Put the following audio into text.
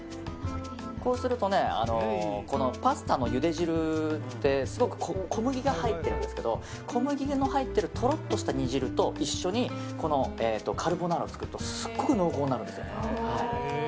こうするとねこのパスタのゆで汁ってすごく小麦が入ってるんですけど小麦の入っているとろっとした煮汁と一緒にカルボナーラを作るとすごく濃厚になるんです。